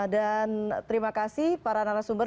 dan terima kasih para narasumber